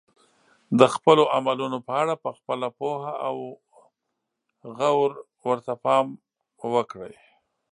د خپلو عملونو په اړه په خپله پوهه او غورو ته پام وکړئ.